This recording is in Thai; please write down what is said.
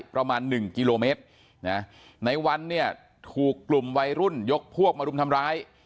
ประมาณหนึ่งกิโลเมตรนะในวันเนี่ยถูกกลุ่มวัยรุ่นยกพวกมารุมทำร้าย